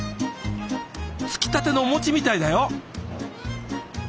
つきたてのお餅みたいだよ。